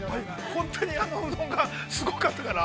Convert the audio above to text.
本当にあのうどんがすごかったから。